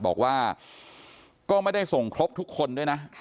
บอกว่าก็ไม่ได้ส่งครบทุกคนด้วยนะ